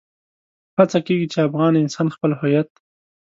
هڅه کېږي چې افغان انسان خپل هويت.